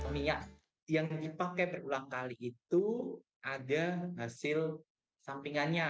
minyak yang dipakai berulang kali itu ada hasil sampingannya